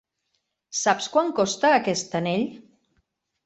Saps quant costa aquest anell?